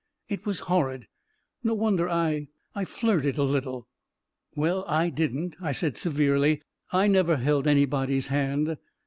It was horrid! No wonder I — I flirted a little." " Well, / didn't," I said, severely. " I never held anybody's hand.